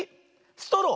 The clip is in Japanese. ストロー。